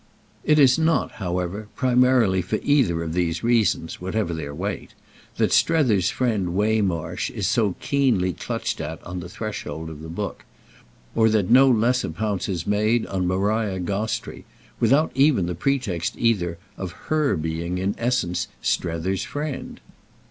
It is not, however, primarily for either of these reasons, whatever their weight, that Strether's friend Waymarsh is so keenly clutched at, on the threshold of the book, or that no less a pounce is made on Maria Gostrey—without even the pretext, either, of her being, in essence, Strether's friend.